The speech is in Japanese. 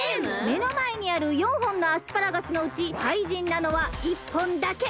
めのまえにある４本のアスパラガスのうちかいじんなのは１本だけ。